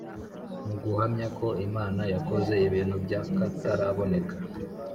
mu guhamya ko imana yakoze ibintu by’akataraboneka